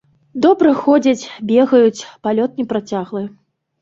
Добра ходзяць, бегаюць, палёт непрацяглы.